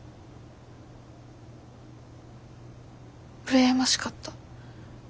羨ましかった。